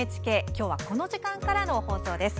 きょうはこの時間からの放送です。